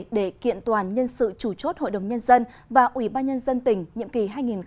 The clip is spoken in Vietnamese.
để kiện toàn nhân sự chủ chốt hội đồng nhân dân và ủy ban nhân dân tỉnh nhiệm kỳ hai nghìn một mươi sáu hai nghìn hai mươi một